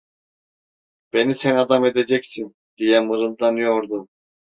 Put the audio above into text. "Beni sen adam edeceksin!" diye mırıldanıyordu.